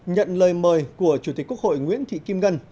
nhận lời mời của chủ tịch quốc hội nguyễn thị kim ngân